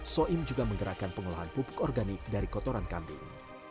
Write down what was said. soim juga menggerakkan pengolahan pupuk organik dari kotoran kambing